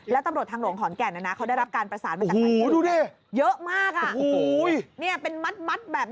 แล้วตำรวจทางหลวงขอนแก่นเนี่ยนะ